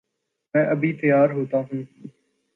میں ابھی تیار ہو تاہوں